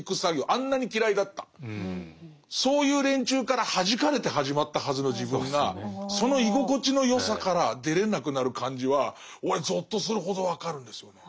あんなに嫌いだったそういう連中からはじかれて始まったはずの自分がその居心地の良さから出れなくなる感じは俺ぞっとするほど分かるんですよね。